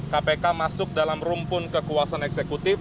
kpk masuk dalam rumpun kekuasaan eksekutif